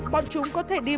bọn chúng có thể đi